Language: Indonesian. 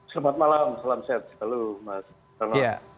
selamat malam salam sehat